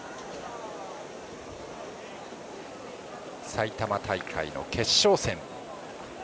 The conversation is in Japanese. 埼玉大会の決勝戦。